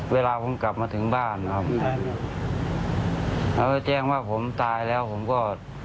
เวลาผมกลับมาถึงบ้านนะครับแล้วก็แจ้งว่าผมตายแล้วผมก็